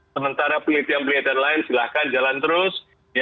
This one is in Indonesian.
sementara pelitian pelitian lain silahkan jalan terus